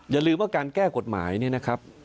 อย่าลืมว่าการแก้กฎหมายเนี่ยนะครับ